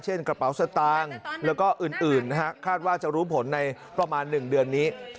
กระเป๋าสตางค์แล้วก็อื่นนะฮะคาดว่าจะรู้ผลในประมาณ๑เดือนนี้